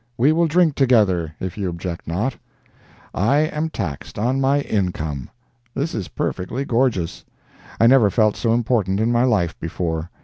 We will drink together, if you object not. I am taxed on my income! This is perfectly gorgeous! I never felt so important in my life before.